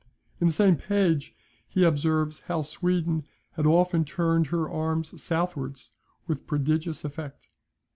In the same page he observes how Sweden had often turned her arms southwards with prodigious effect.